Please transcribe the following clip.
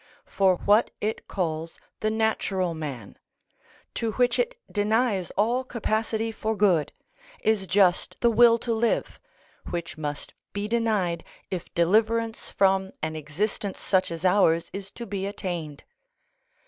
For what it calls the natural man, to which it denies all capacity for good, is just the will to live, which must be denied if deliverance from an existence such as ours is to be attained.